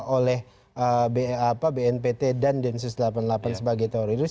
oleh bnpt dan densus delapan puluh delapan sebagai teroris